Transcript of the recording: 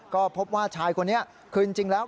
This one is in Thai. ก็พบว่าชายคนนี้คือจริงแล้ว